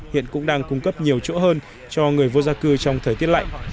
hiện cũng đang cung cấp nhiều chỗ hơn cho người vô gia cư trong thời tiết lạnh